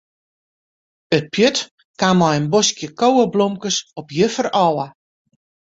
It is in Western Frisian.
It pjut kaam mei in boskje koweblomkes op juffer ôf.